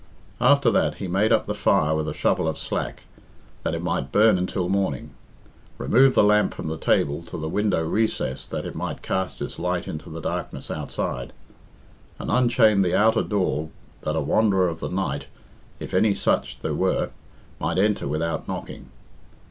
After that he made up the fire with a shovel of slack, that it might burn until morning; removed the lamp from the table to the window recess that it might cast its light into the darkness outside; and unchained the outer door that a wanderer of the night, if any such there were, might enter without knocking.